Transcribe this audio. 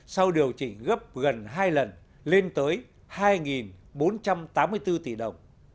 sau điều chỉnh gấp gần hai lần lên tới hai bốn trăm tám mươi bốn tỷ đồng